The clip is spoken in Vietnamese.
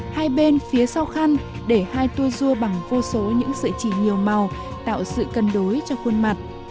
hai bên phía sau khăn để hai tua rua bằng vô số những sợi chỉ nhiều màu tạo sự cân đối cho khuôn mặt